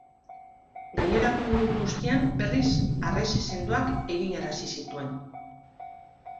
Gainerako inguru guztian, berriz, harresi sendoak eginarazi zituen.